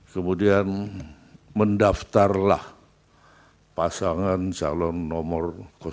kemudian mendaftarlah pasangan calon nomor satu